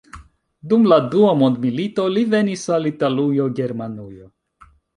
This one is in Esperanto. Dum la dua mondmilito li venis al Italujo, Germanujo.